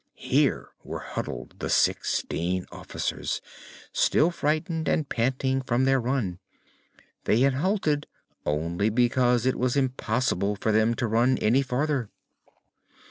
Here were huddled the sixteen officers, still frightened and panting from their run. They had halted only because it was impossible for them to run any farther.